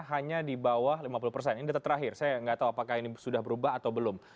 hanya di bawah lima puluh persen ini data terakhir saya nggak tahu apakah ini sudah berubah atau belum